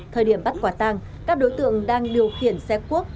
thời điểm bắt quả tàng các đối tượng đang điều khiển xe cuốc